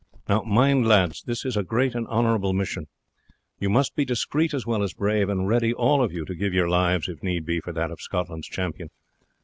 Now, mind, lads, this is a great and honourable mission. You must be discreet as well as brave, and ready all of you to give your lives, if need be, for that of Scotland's champion.